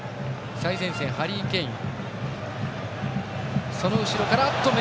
最前線、ハリー・ケイン。